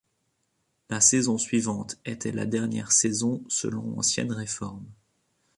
La saison suivante était la dernière saison selon l'ancienne réforme.